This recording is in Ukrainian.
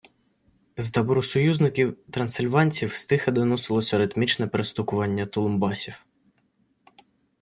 З табору союзників - трансильванців стиха доносилося ритмічне перестукування тулумбасів.